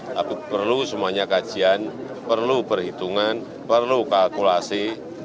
tapi perlu semuanya kajian perlu perhitungan perlu kalkulasi